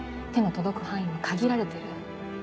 手の届く範囲も限られてる。